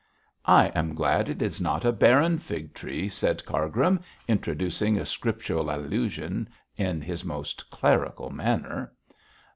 'I am glad it is not a barren fig tree,' said Cargrim, introducing a scriptural allusion in his most clerical manner.